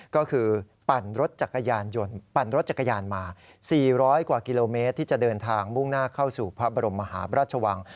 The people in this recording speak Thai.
ก็คือปั่นรถจักรยานมา๔๐๐กว่ากิโลเมตรที่จะเดินทางมุ่งหน้าเข้าสู่พระบรมมหาบราชวัง